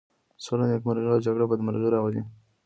سوله نېکمرغي او جگړه بدمرغي راولي.